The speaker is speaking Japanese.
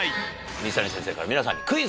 水谷先生から皆さんに。